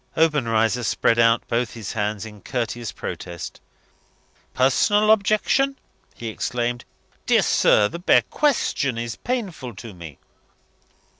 Obenreizer spread out both his hands in courteous protest. "Personal objection!" he exclaimed. "Dear sir, the bare question is painful to me."